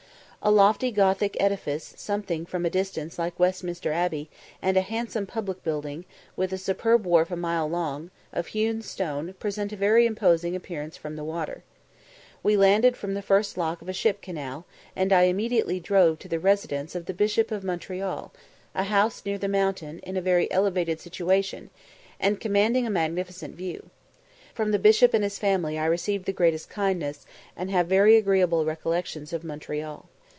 A lofty Gothic edifice, something from a distance like Westminster Abbey, and handsome public buildings, with a superb wharf a mile long, of hewn stone, present a very imposing appearance from the water. We landed from the first lock of a ship canal, and I immediately drove to the residence of the Bishop of Montreal, a house near the mountain, in a very elevated situation, and commanding a magnificent view. From the Bishop and his family I received the greatest kindness, and have very agreeable recollections of Montreal.